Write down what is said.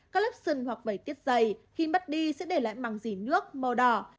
các lớp sừng hoặc vầy tiết dày khi mất đi sẽ để lại màng dì nước màu đỏ